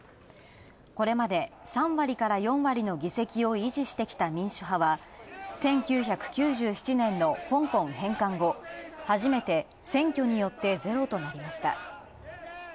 これまで３割から４割の議席を維持してきた民主派は１９９７年の香港返還後、選挙によってゼロとなりました。